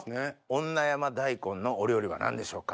女山大根のお料理は何でしょうか？